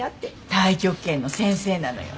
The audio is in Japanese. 太極拳の先生なのよ。